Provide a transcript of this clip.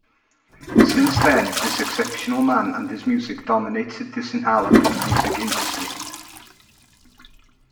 Since then this exceptional man and his music dominated the Sinhala pop music industry.